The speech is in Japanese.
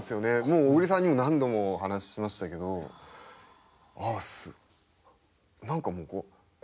もう小栗さんにも何度もお話ししましたけど何かもう「こうですよね